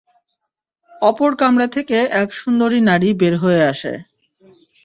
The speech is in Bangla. অপর কামরা থেকে এক সুন্দরী নারী বের হয়ে আসে।